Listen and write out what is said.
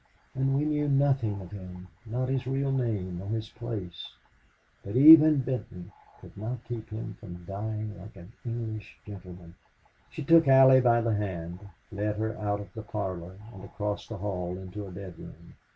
And we knew nothing of him not his real name nor his place ... But even Benton could not keep him from dying like an English gentleman." She took Allie by the hand, led her out of the parlor and across the hall into a bedroom.